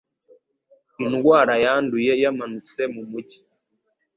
Indwara yanduye yamanutse mu mujyi.